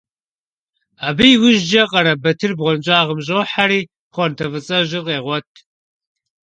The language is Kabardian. Абы иужькӀэ Къарэбатыр бгъуэнщӀагъым щӀохьэри пхъуантэ фӀыцӀэжьыр къегъуэт.